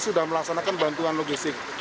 sudah melaksanakan bantuan logistik